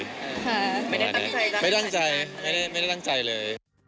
ค่ะไม่ได้ตั้งใจตั้งใจค่ะไม่ได้ตั้งใจไม่ได้ตั้งใจเลย